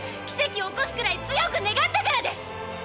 奇跡を起こすくらい強く願ったからです！